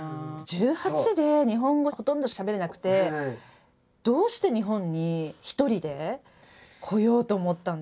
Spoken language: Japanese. １８で日本語ほとんどしゃべれなくてどうして日本に一人で来ようと思ったんですか？